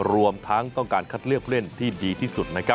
รวมทั้งต้องการคัดเลือกเล่นที่ดีที่สุดนะครับ